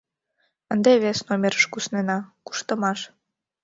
Ынде вес номерыш куснена: куштымаш.